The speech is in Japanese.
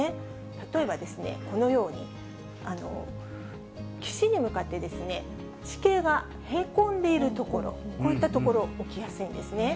例えばこのように、岸に向かって地形がへこんでいる所、こういった所、起きやすいんですね。